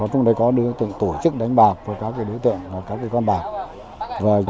trong đó có đối tượng tổ chức đánh bạc và các đối tượng có các con bạc